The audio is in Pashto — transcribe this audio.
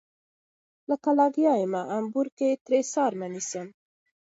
لکه لګيا يمه امبور کښې ترې څرمنه نيسم